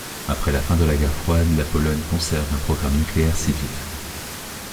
Après la fin de la guerre froide, la Pologne conserve un programme nucléaire civil.